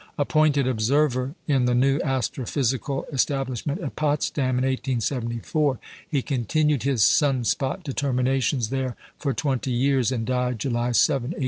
Appointed observer in the new Astrophysical establishment at Potsdam in 1874, he continued his sun spot determinations there for twenty years, and died July 7, 1895.